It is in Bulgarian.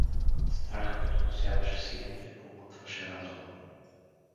Страх подкосяваше силите, помътваше разума.